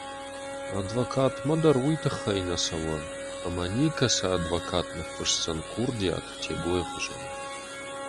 Адвокатмӕ дӕр уый тыххӕй нӕ цӕуы, ӕмӕ никӕцы адвокат ныффысдзӕн курдиат Тегойы хуызӕн.